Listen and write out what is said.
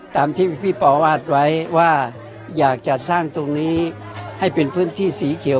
ตามที่พี่ปอวาดไว้ว่าอยากจะสร้างตรงนี้ให้เป็นพื้นที่สีเขียว